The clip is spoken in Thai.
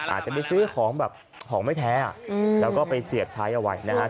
อาจจะไปซื้อของแบบของไม่แท้แล้วก็ไปเสียบใช้เอาไว้นะครับ